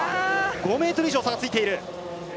５ｍ以上差がついている。